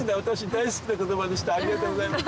ありがとうございます。